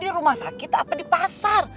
di rumah sakit apa di pasar